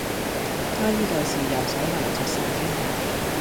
他依舊是右手拿著聖經